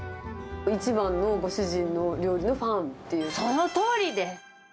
一番のご主人の料理のファンそのとおりです。